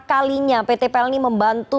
kalinya pt pelni membantu